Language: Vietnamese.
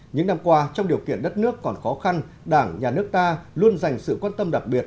những năm qua trong điều kiện đất nước còn khó khăn đảng nhà nước ta luôn dành sự quan tâm đặc biệt